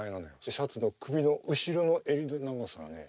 シャツの後ろの襟首の長さがね